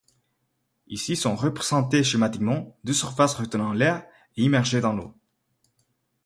Ici sont représentées schématiquement deux surfaces retenant l’air et immergées dans l’eau.